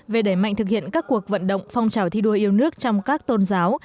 về đẩy mạnh thực hiện các cuộc vận động phong trào thi đua yêu nước trong các tôn giáo